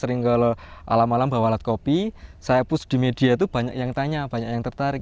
saya sering kalau alam alam bawa alat kopi saya push di media banyak yang tanya banyak yang tertarik